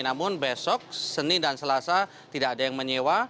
namun besok senin dan selasa tidak ada yang menyewa